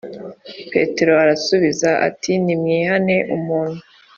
Petero arabasubiza ati Nimwihane umuntu